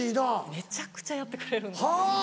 めちゃくちゃやってくれるんですよね。